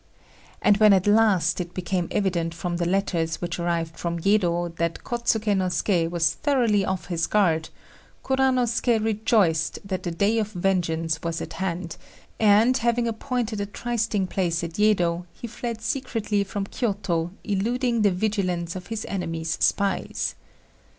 And when at last it became evident from the letters which arrived from Yedo that Kôtsuké no Suké was thoroughly off his guard, Kuranosuké rejoiced that the day of vengeance was at hand; and, having appointed a trysting place at Yedo, he fled secretly from Kiôto, eluding the vigilance of his enemy's spies.